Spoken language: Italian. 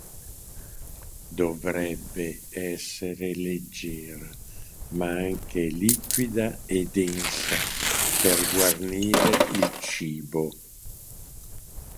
Dovrebbe essere leggera, ma anche liquida e densa per guarnire il cibo.